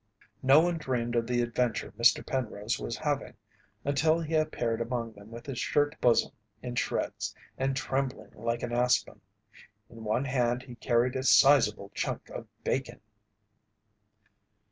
No one dreamed of the adventure Mr. Penrose was having until he appeared among them with his shirt bosom in shreds and trembling like an aspen. In one hand he carried a sizeable chunk of bacon.